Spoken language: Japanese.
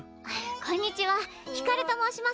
こんにちはひかると申します。